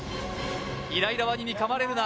イライラワニに噛まれるな！